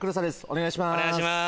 お願いします